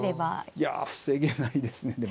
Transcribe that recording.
いや防げないですね。